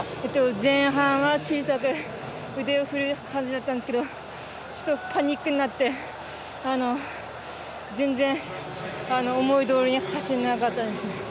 前半は小さく腕を振るはずだったんですけどパニックになって、全然思いどおりに走れなかったですね。